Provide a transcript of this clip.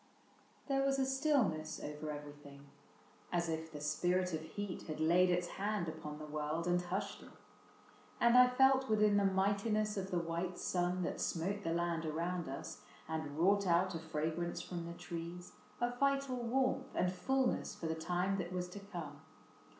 There was a stillness over everything, As if the spirit of heat had laid its hand Upon the world and hushed it ; and I felt Within the mightiness of the white sun That smote the land around us and wrought out A fragrance from the trees, a vital warmth And fullness for the time that was to come.